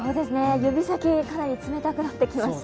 指先、かなり冷たくなってきました。